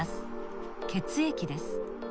血液です。